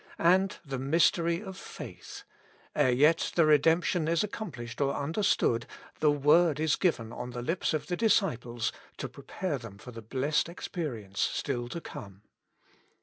And the mystery of faith — ere yet the redemption is accomplished or understood, the word is given on the lips of the disciples to prepare them for the blessed experience still to come.